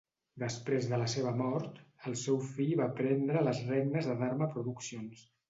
Després de la seva mort, el seu fill va prendre les regnes de Dharma Productions.